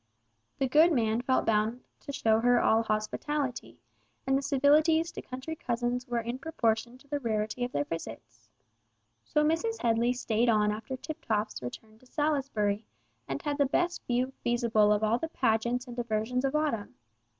The good man felt bound to show her all hospitality, and the civilities to country cousins were in proportion to the rarity of their visits. So Mrs. Headley stayed on after Tiptoff's return to Salisbury, and had the best view feasible of all the pageants and diversions of autumn.